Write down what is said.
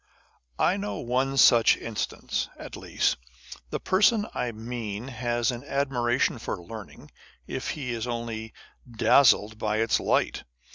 I know one such instance, at least. The person I mean has an admiration for learning, if he is only dazzled by its light.